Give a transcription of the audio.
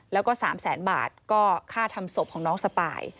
แล้วก็๓แสนบาทก็ค่าทำศพของน้องสปาย